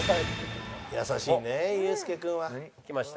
優しいねユースケ君は。来ました。